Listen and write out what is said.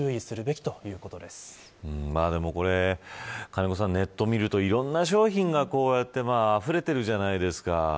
金子さん、ネットを見るといろんな商品があふれているじゃないですか。